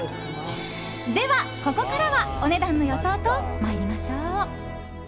では、ここからはお値段の予想と参りましょう！